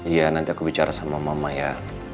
iya nanti aku bicara sama mama ya